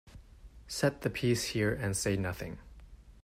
Set the piece here and say nothing.